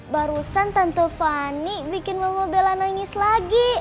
barusan tante fani bikin mama bela nangis lagi